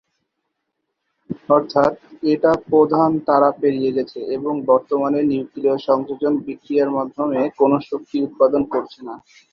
অর্থাৎ এটা প্রধান তারা পেরিয়ে গেছে এবং বর্তমানে নিউক্লীয় সংযোজন বিক্রিয়ার মাধ্যমে কোন শক্তি উৎপাদন করছে না।